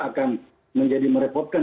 itu ada ketimbang